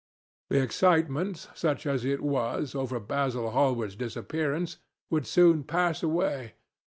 The excitement, such as it was, over Basil Hallward's disappearance would soon pass away.